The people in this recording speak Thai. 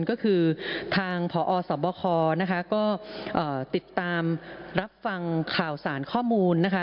ก็คือทางพอสบคนะคะก็ติดตามรับฟังข่าวสารข้อมูลนะคะ